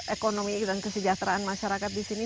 ekonomi dan kesejahteraan masyarakat di sini